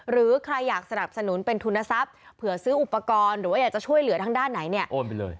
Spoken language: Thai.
หรือใครอยากสนับสนุนเป็นทุนทรัพย์เผื่อซื้ออุปกรณ์หรือว่าอยากจะช่วยเหลือทางด้านไหนเนี่ยโอนไปเลย